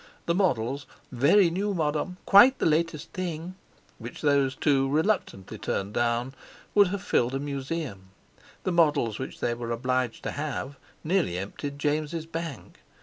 The models—"Very new, modom; quite the latest thing—" which those two reluctantly turned down, would have filled a museum; the models which they were obliged to have nearly emptied James' bank.